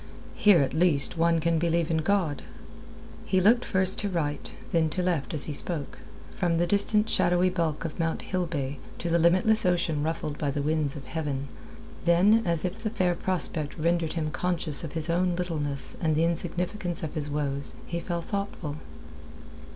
Here at least one can believe in God." He looked first to right, then to left as he spoke, from the distant shadowy bulk of Mount Hillbay to the limitless ocean ruffled by the winds of heaven. Then, as if the fair prospect rendered him conscious of his own littleness and the insignificance of his woes, he fell thoughtful.